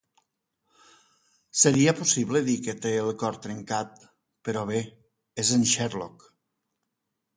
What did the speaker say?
Seria possible dir que té el cor trencat, però, bé, és en Sherlock.